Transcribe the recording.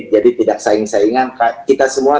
jadi tidak saing sainan kita semua